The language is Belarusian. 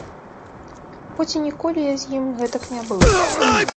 Хоць і ніколі я з ім гэтак не быў.